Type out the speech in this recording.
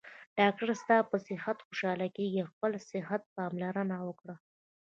ډاکټر ستاپه صحت خوشحاله کیږي خپل صحته پاملرنه وکړه